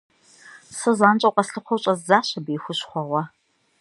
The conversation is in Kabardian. Сэ занщӀэу къэслъыхъуэу щӀэздзащ абы и хущхъуэгъуэ.